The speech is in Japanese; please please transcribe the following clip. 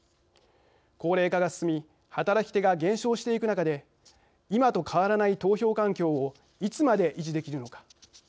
高齢化が進み働き手が減少していく中で今と変わらない投票環境をいつまで維持できるのか。